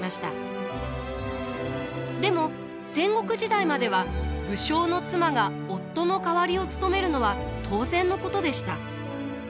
でも戦国時代までは武将の妻が夫の代わりを務めるのは当然のことでした。